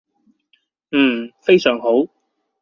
嗯，非常好